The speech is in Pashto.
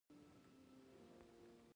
ما وویل زه نه غواړم چې زندان ته لاړ شم.